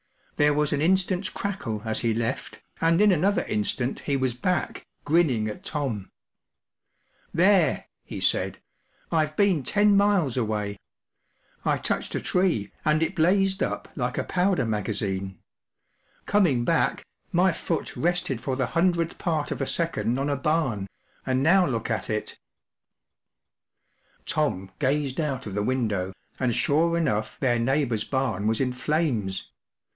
There was an instant's crackle as he left, and in another instant he was back, grinning at Tom. 44 There/ 1 he said, 44 I’ve been ten miles away; 1 touched a tree, and it blazed up like a powder magariri^fi. G#mmg back, my foot UNIVERSITY OF MICHIGAN 6S6 THE STRAND MAGAZINE. rested for the hundredth part of a second on a barn, and now look at it !" Tom gazed out of the window, and sure enough their neigh hour's barn was in flames.